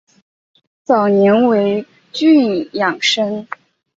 早年为郡庠生。